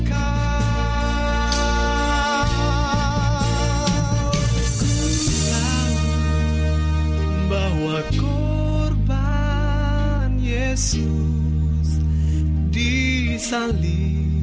ku tahu bahwa korban yesus disalib